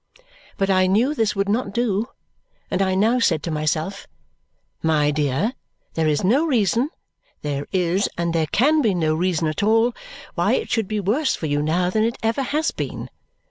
But I knew this would not do, and I now said to myself, "My dear, there is no reason there is and there can be no reason at all why it should be worse for you now than it ever has been.